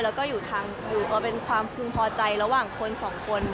แล้วก็อยู่ก็เป็นความพึงพอใจระหว่างคนสองคน